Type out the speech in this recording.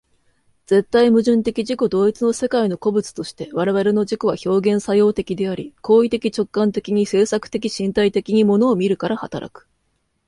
絶対矛盾的自己同一の世界の個物として、我々の自己は表現作用的であり、行為的直観的に制作的身体的に物を見るから働く。